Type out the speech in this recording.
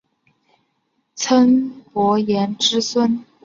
岑伯颜之孙。